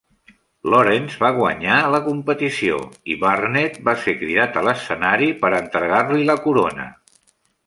Lawrence va guanyar la competició i Burnett va ser cridat a l'escenari per entregar-li la corona.